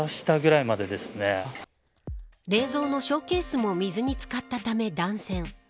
冷蔵のショーケースも水に漬かったため断線。